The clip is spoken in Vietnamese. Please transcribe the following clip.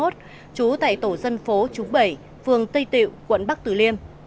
trú tại tổ dân phố trúng bảy phường tây tịu quận bắc tử liêm